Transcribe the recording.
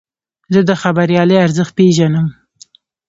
زه د خبریالۍ ارزښت پېژنم.